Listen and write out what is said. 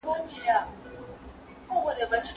هغوی به په نړيواله کچه خپل سياسي رول ولوبوي.